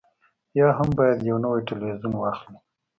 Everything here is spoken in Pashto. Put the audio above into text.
یا هم باید یو نوی تلویزیون واخلئ